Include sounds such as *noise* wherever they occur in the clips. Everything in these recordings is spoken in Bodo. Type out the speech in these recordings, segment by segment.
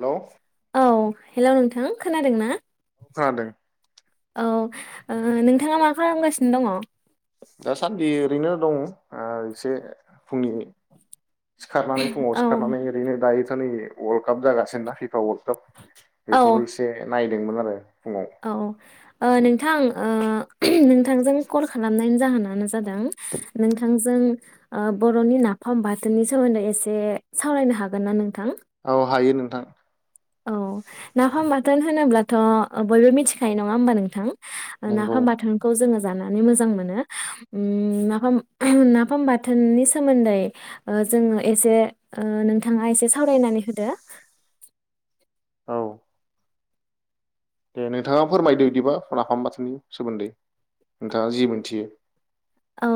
हेल औ हेल नोंथां खोनादों ना खोनादों औ ओ नोंथाङा मा खालामगासिनो दङ दासान्दि ओरैनो दं एसे फुंनि सिखारनानै फुङाव औ सिखारनानै ओरैनो दायो नै वर्ल्ड कप जागासिनो ना फिफा औ बेखौनो एसे नाय दोंमोन आरो फुङाव औ ओ नोंथां ओ नोंथांजों कल खालामनायनि जाहोनानो जादों नोंथांजों बर'नि नाफाम बाथोननि सोमोन्दै एसे सावरायनो हागोन ना नोंथां औ हायो नोंथां औ नाफाम बाथोन होनोब्लाथ बयबो मिथिखायो नङा होमबा नोंथां नंगौ नाफाम बाथोनखौ जोङो जानानै मोजां मोनो उम नाफाम नाफाम बाथोननि सोमोन्दै जोङो नोंथाङा एसे सावरायनानै होदो औ दे नोंथाङा फोरमायदो इदिबा नाफाम बाथोननि सोमोन्दै नोंथाङा जि मोनथियो औ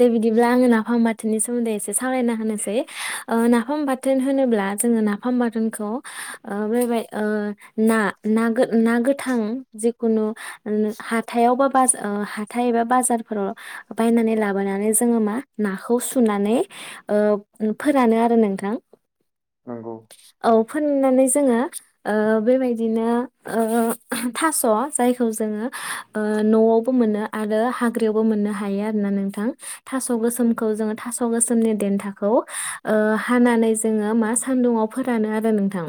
दे बिदिब्ला आङो नाफाम बाथोनि सोमोन्दै एसे सावरायना होनोसै नाफाम बाथोन होनोब्ला जोङो ना फाम बाथोनखौ बेबाय ना ना ना गोथां जिखुनु हाथायाव बा बाजार हाथाय एबा बाजारफोराव बायनानै लाबोनानै जोङो मा नाखौ सुनानै ओ फोरानो आरो नोंथां नंगौ औ फोननानै जोङो बेबायदिनो ओ थास जायखौ जोङो ओ नआवबो मोनो आरो हाग्रायावबो मोनो हायो आरो ना नोंथां थास गोसोमखौ जोङो थास गोसोमनि देन्थाखौ हानानै जोङो मा सान्दुंयाव फोरानो आरो नोंथां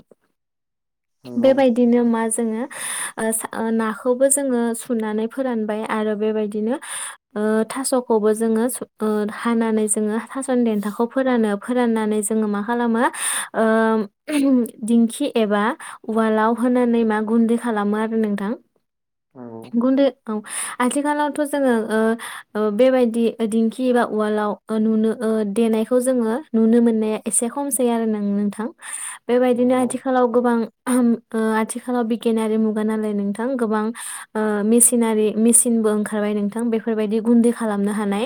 नंगौ बेबायदिनो मा ज जोङो नाखौबो जोङो सुनानै फोरानबाय आरो बेबायदिनो थासखौबो जोङो हानानै जोङो थासनि देथाखौ फोरानो फोराननानै जोङो मा खालामो ओ दिंखि एबा उवालाव होनानै मा गुन्दै खालामो आरो नोंथां नंगौ गुन्दै औ आथिखालावथ जोङो बेबायदि दिंखि बा उवालाव नुनो देनायखौ जोङो नुनो मोननाया एसे खमसै आरो नों नोंथां बेबायदिनो नंगौ आथिखालाव गोबां आथिखालाव बिगियानारि मुगा नालाय नोंथां गोबां मिसिनारि मेसिनबो ओंखारबाय नोंथां बेफोर बेफोरबायदि गुन्दै खालामनो हानाय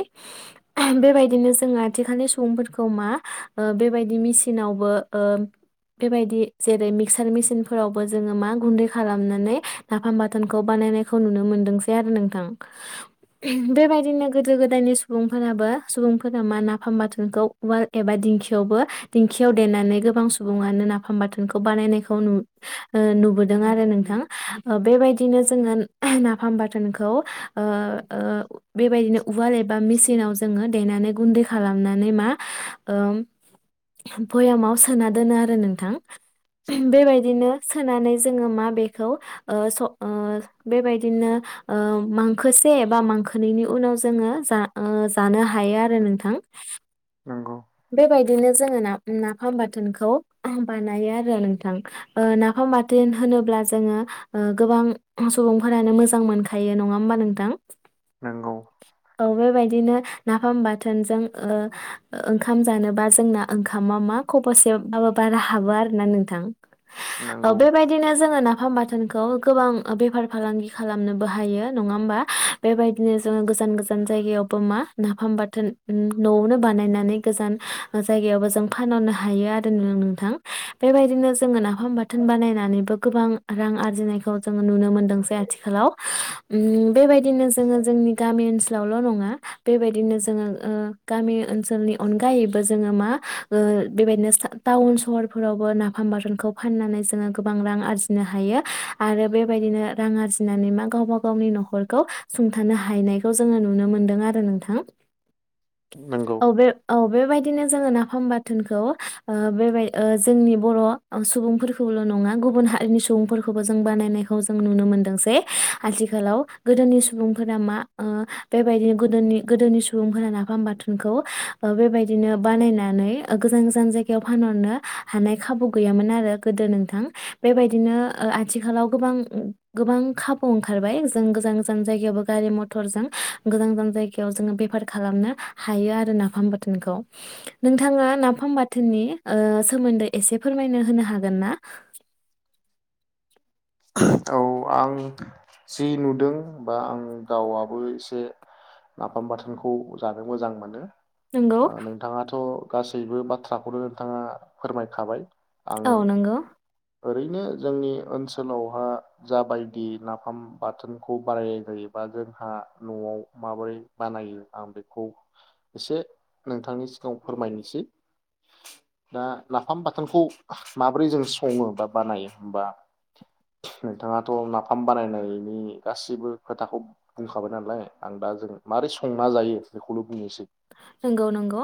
बेबायदिनो जोङो आथिखालनि सुबुंफोरखौ मा बेबायदि मेसिनावबो बेबायदि जेरै मिक्सार मेसिनफोरावबो जोङो मा गुन्दै खालामनानै नाफाम बाथोनखौ बानायनायखौ नुनो मोनदोंसै आरो नोंथां बेबायदिनो गोदो गोदायनि सुबुंफोराबो सुबुंफोरा मा नाफाम बाथोनखौ उवाल एबा दिंखियावबो दिंखियाव देरनानै गोबां सुबुङानो नाफाम बाथोनखौ बानायनायखौ नु नुबोदों आरो नोंथां बेबायदिनो जोङो नाफाम बाथोनखौ ओ बेबायदिनो उवाल एबा मिसिनाव जोङो देनानै गुन्दै खालामनानै मा भयामाव सोना दोनो आरो नोंथां बेबायदिनो सोनानै जोङो मााबेखौ ओ स बेबायदिनो ओ मांखोसे बा मांखोनायनि उनाव जोङो जा जानो हायो आरो नोंथां नंगौ बेबायदिनो जोङो ना नाफाम बाथोनखौ बानायो आरो नोंथां ओ नाफाम बाथोन होनोब्ला जोङो ओ गोबां सुबुंफोरानो मोजां मोनखायो नङा होमबा नोंथां नंगौ औ बेबायदिनो नाफाम बाथोनजों ओ ओ ओंखाम जानोबा जोंना ओंखामा मा खबरसे माबा बारा हाबो आरो ना नोंथां नंगौ बेबायदिनो जोङो ना नाफाम बाथोनखौ गोबां बेफार फालांगि खालामनोबो हायो नङा होमबा बेबायदिनो जोङो गोजान गोजान जायगायावबो मा नाफाम बाथोन न'आवनो बानायनानै गोजान जायगायावबो जों फानहरनो हायो आरो नोंथां बेबायदिनो जोङो नाफाम बाथोन बानायनानैबो गोबां रां आरजिनायखौ जों नुनो मोनदोंसै आथिखालाव बेबायदि उम बिदिनो जोङो जोंनि गामि ओनसोल सोलावल' नङा बेबायदिनो जोङो गामि ओनसोलनि अनगायैबो जोङो मा ओ बेबायदिनो टाउन सहरफोरावबो नाफाम बाथोनखौ फाननानै जोङो गोबां रां आरजिनो हायो आरो बेबायदिनो रां आर्जिनानै मा गावबा गावनि न'खरखौ सुंथानो हायैनायखौ जोङो नुनो मोनदों आरो दा नोंथां नंगौ औ बे अ बेबायदिनो जोङो नाफाम बाथोनखौ बे जोंनि बर' सुबुंफोरखौबोल' नङा गुबुन हारिनि सुबुंफोरखौबो जों बानायनाय जों नुनो मोनदों जे आथिखालाव गोदोनि सुबुंफोरा मा ओ बेबायदिनो गोदोनि गोदोनि सुबुंफोरा नाफाम बाथोनखौ बेबायदिनो बानायनानै गोजान गोजान जायगायाव फानहरनो हानाय खाबु गैयामोन आरो गोदो नोंथां बेबायदिनो ओआथिखालाव ओ गोबां गोबां खाबु ओंखारबाय जों गोजान गोजान जायगायावबो गारि मथरजों गोजान गोजान जायगायाव जोङो बेफार खालामनो हायो आरो ना नाफाम बाथोनखौ नोंथाङा नाफाम बाथोननि सोमोन्दै एसे फोरमायनो होनो हागोन ना औ आं जि नुदों बा आं गावआबो एसे नाफाम बाथोनखौ जानो मोजां मोनो नंगौ नोंथाङाथ' गासैबो बाथ्राखौनो नोंथाङा फोरमायखाबाय आं औ नंगौ ओरैनो जोंनि ओनसोलावहा जाबायदि नाफाम बाथोनखौ बारायनाय जायोबा जोंहा न'आव माबोरै बानायो आं बेखौ एसे नोंथांनि सिगाव फोरमायनोसै दा नाफाम बाथोनखौ माबोरै जों सङो बा बानायो होमबा नोंथाङाथ' नाफाम बानायनायनि गासिबो खोथाखौ बुंखाबाय नालाय आं दा जों माबारै संना जायो बेखौल' बुंनोसै नंगौ नंगौ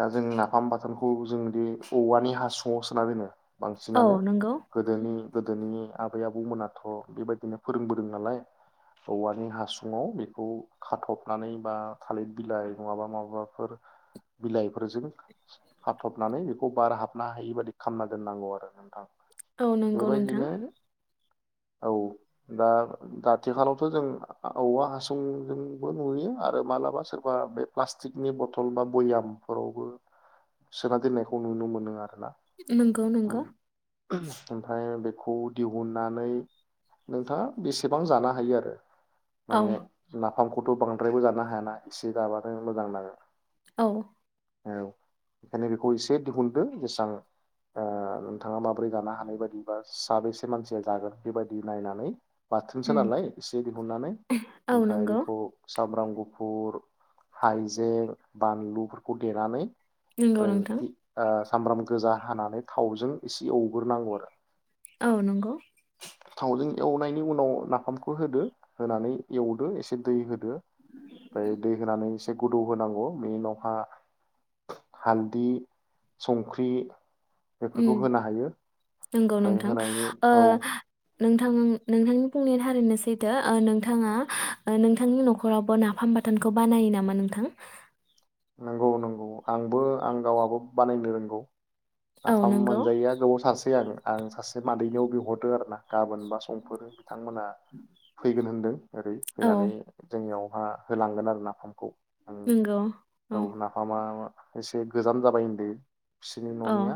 दा जों नाफाम बाथोनखौ जोंदि औवानि हासुङाव सोना दोनो औ बांसिनानो नंगौ गोदोनि गोदोनि आबै आबौ मोनाथ' बेबायदिनो फोरोंबोदों नालाय औवानि हासुङाव बेखौ खाथबनानै बा थालिर बिलाइ नङाबा माबाफोर बिलाइफोरजों जों खाथबनानै बेखौ बार हाबनो हायि बायदि खालामना दोननांगौ आरो नोंथां औ नंगौ नोंथां बेबायदिनो औ दा आथिखालावथ' जों औवा हासुंजोंबो नुयो आरो मालाबा सोरबा बे प्लास्टिकनि बथल बा बयाम फोरावबो सोना दोननायखौ नुनो मोनो आरो नंगौ नंगौ ओमफ्राय बेखौ दिहुननानै नोंथाङा बेसेबां जानो हायो आरो औ माने ला खौथ' बांद्रायबो जानो हायाना एसे जाबानो मोजां नांगोन औ औ बेखायनो बेखौ एसे दिहुनदो जेसां ओ नोंथाङा माबोरै जानो हानाय बायदि बा साबेसे मानसिया जागोन बेबायदि नायनानै बाथोनसो उम नालाय एसे दिहुननानै औ ओमफ्राय नंगौ बेखौ सामब्राम गुफुर हाइजें बानलु फोरखौ देनानै नंगौ नोंथां *unintelligible* सामब्राम गोजा हानानै थावजों एसे एवग्रोनांगौ आरो औ नंगौ थावजों एवनायनि उनाव नाफामखौ होदो होनानै एवदो एसे दै होदो ओमफ्राय दै होनानै एसे गोदौ होनांगौ बेनि उनावहा हालदि संख्रि उम बेफोरखौ होनो हायो नंगौ ओमफ्राय नोंथां होनायनि ओ औ नोंथां नोंथांनि बुंनायानो थारैनो सैथो ओ नोंथाङा नोंथांनि न'खरावबो नाफाम बाथानोनखौ बानायो नामा नोंथां नंगौ नंगौ आंबो आं गावाबो बानायनो रोंगौ औ नाफाम नंगौ मोनजायैया गोबाव थारसै आङो आं सासे मादैनियाव बिहरदो आरो ना गाबोन बा संफोरो बिथांमोना फैगोन होनदों ओरै औ फैनानै जोंनियाव ओ होलांगोन आरो नाफामखौ आं नंगौ औ नाफामा मा एसे गोजाम जाबाय होनदों बिसोरनि औ न'निया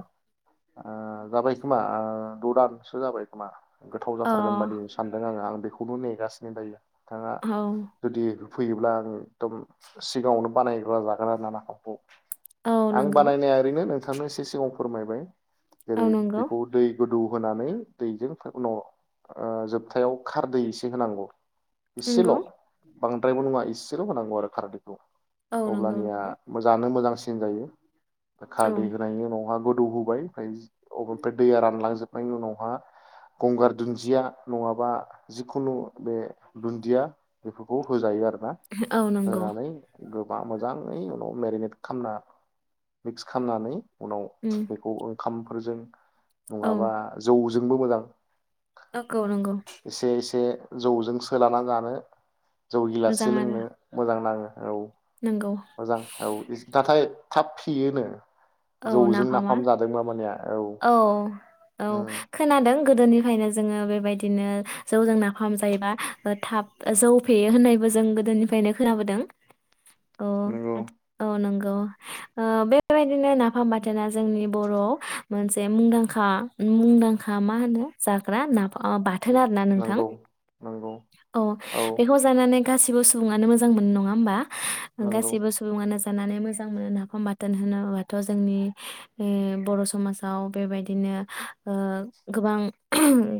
ओ जाबाय खोमा ओ द' दानसो जाबाय खोमा। गोथाव अ जाथारगोन बादि सानदों आङो आं बेखौनो नेगासिनो दायो। बिथाङा औ जुदि फैयोब्ला आं एकदम सिगाङावनो बानायग्रा जागोन *unintelligible* औ आं नंगौ बानायनाया ओरैनो नों नोंथांनो एसे सिगाव फोरमायबाय औ जेरै नंगौ बेखौ दै गोदौ होनानै दैजों उनाव ओ जोबथायाव खारदै एसे होनांगौ। इसेल' नंगौ बांद्रायबो नङा इसेल' होनांगौ आरो खारदैखौ। औ नंगौ अब्लानिया नंगौ मोजाङानो मोजां *unintelligible* जायो औ खारदै होनाय उनावहा गोदौ होबाय ओमफ्रायब ओमफ्राय दैया रानलांजोबनायनि उनावहा गंगार दुन्दिया नङाबा जिखुनु बे दुन्दिया बेफोरखौ होजायो आरो ना औ नंगौ होनानै गोबा मोजाङै उनाव मेरिनेट खालामना मिक्स खालामनानै उनाव उम बेखौ खामफोरजों औ नङाबा जौ जोंबो मोजां नंगौ नंगौ एसे एसे जौजों सोला जानो जौ गिलाससे मोजां आरो लोंनो मोजां नाङो। औ नंगौ मोजां औ नाथाय थाब फेयोनो औ जौजों नाफामा नाफाम जादोंबा मानिया औ औ खोनादों गोदोनिफ्रायनो जोङो बेबायदिनो जौजों नाफाहाम जायोबा ओ थाब जौ फेयो होननायबो जों गोदोनिफ्रायनो खोनाबोदों। अ नंगौ औ नं गौ ओ बे बादिनो नाफाम फामबाथाना जोंनि बर'आव मोनसे मुंदांखा मुंदांखा मा होनो जाग्रा ना बाथोन आरोना नोंथां नंगौ नंगौ औ बेखौ जानानै गासिबो सुबुङानो मोजां मोनो नङा होमबा नंगौ गासैबो सुबुङानो जानानै मोजां मोनो नाफाम बाथोन होना थ' जोंनि बर' समाजाव बेबायदिनो गोबां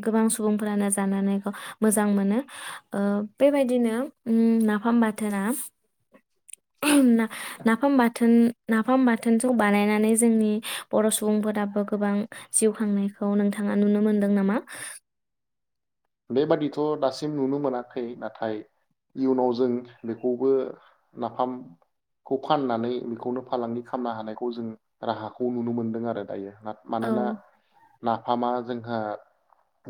गोबां सुबुंफोरानो जानानै मोजां मोनो बेबायदिनो नाफाम बाथोना नाफाम बाथोन नाफाम बाथोन थोनसनखौ बानायनानै जोंनि बर' सुबुंफोराबो गोबां जिउ खांनायखौ नोंथाङा नुनो मोनदों नामा बेबादिथ' दासिम नुनो मोनाखै नाथाय इयुनाव जों बेखौबो नाफामखौ फाननानै बेखौनो फालांगि खालामनो हानायखौ जों राहाखौ नुनो मोनदों आरो दायो औ मानोना नाफामा जोंहा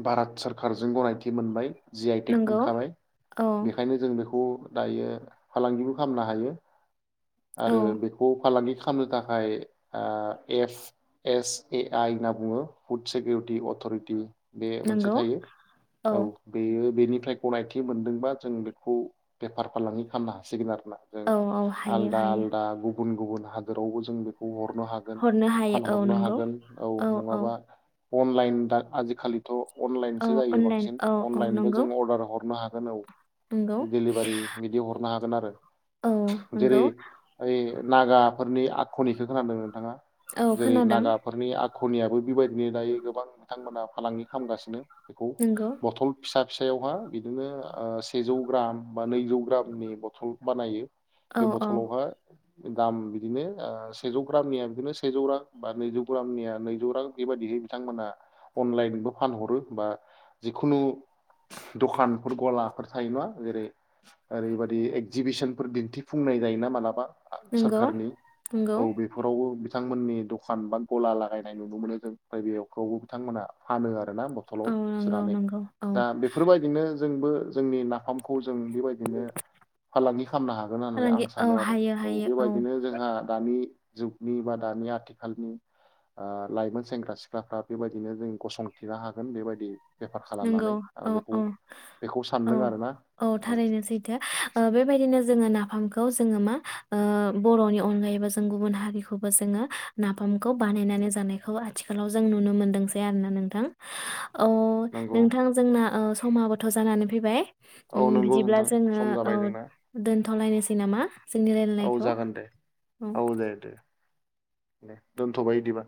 भारात सरखार जों गनायथि मोनबाय जि आइ टेक नंगौ मोनखाबाय औ बेखायनो जों बेखौ खौ दायो फालांगिबो खालामनो हायो औ आरो बेखौ फालांगि खामनो थाखाय एफ एस ए आइ होनना बुङो फुड सिकिउरिटि अथ'रिटि बे मोनसे नंगौ थायो औ बे बेनिफ्राय गनायथि मोनदोंबा जों बेखौ बेफार फालांगि खालामनो हासिगोन आरो औ औ हायो हायो गुबुन गुबुन हादोरावबो जों बेखौ हर‌ नो हागोन हरनो हायो औ फानहरनो नंगौ हागोन औ नङाबा अनलाइन दा आजिखालिथ' औ अनलाइनसो जायो अनलाइन गोबां औ औ अनलाइनबो नंगौ जों अरदार हर हरनो हागोन औ नंगौ दिलिभारि बिदि हरनो हागोन गोन आरो औ जेरै नंगौ ओइ नागाफोरनि आख'निखो खोनादों नोंथाङा औ जेरै खोनादों नागाफोरनि आ खनियाबो बेबायदिनो दायो गोबां बिथांमोनहा फालांगि खालामगासिनो बेखौ नंगौ बथल फिसा फिसायावहा बिदिनो ओ सेजौ ग्राम बा नैजौ ग्रामनि बथल बानायो औ बे औ बथलावहाय दाम बिदिनो सेजौ ग्रामनिया बिदिनो सेजौ रां बा नैजौ ग्रामनिया नैजौ रां बेबायदिहै बिथांमोना अनलाइनबो फानहरो बा जिखुनु दखानफोर गलाफोर थायो नङा जेरै ओरैबादि एगजिबिसनफोर दिन्थिफुंनाय जायोना मालाबा नंगौ सोरखारनि नंगौ औ बेफोरावबो बिथांमोननि दखान बा गला लागायनाय नुनो मोनो जों ओमफाय बेखौबो बिथांमोना फानो आरो ना बथलाव औ नंगौ सुनानै नंगौ औ दा बेफोरबायदिनो जोंबो जोंनि नाफामखौ जों बेबायदिनो फालांगि खामनो हागोन होननानै आं फालांगि औ सानो आरो हायो औ हायो बेबायदिनो जोंहा दानि जुगनि बा दानि आथिखालनि ओ लाइमोन सेंग्रा सिख्लाफ्रा बेबायदिनो जों गसंथनो हागोन बेबायदि बेफार नोंगौ खालामनानै आं औ बेखौ औ बेखौ औ सानदों आरोना औ थारैनो सैथो ओ बेबायदिनो जोङो ना फामखौ जोङो मा ओ बर'नि अनगायैबो जों गुबुन हारिखौबो जोङो नाफामखौ बानायनानै जानायखौ आथिखालाव जों नुनो मोनदोंसै आरोना नोंथां। अ नंगौ नोंथां जोंना ओ समा समाबोथ जानानै फैबाय औ उम नंगौ बिदिब्ला नोंथां जोङो सम औ जाबाय जोंना दोन थ लायनोसै नामा जोंनि औ रायलायनायखौ जागोन दे औ दे दे दे दोनथबाय इदिबा।